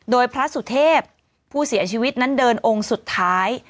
โดยพระสุเทพผู้เสียชีวิตนั้นเดินองค์สุดท้าย